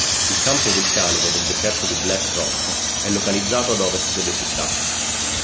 Il campo vulcanico del deserto di Black Rock è localizzato ad ovest delle città.